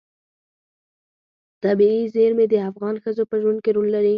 طبیعي زیرمې د افغان ښځو په ژوند کې رول لري.